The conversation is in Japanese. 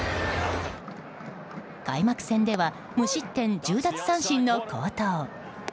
開幕戦では無失点１０奪三振の好投。